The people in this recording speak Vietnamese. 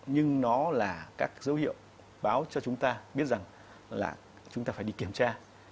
nhưng nó là các dấu hiệu báo cho chúng ta biết rằng là chúng ta phải đi kiểm tra